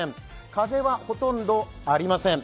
風はほとんどありません。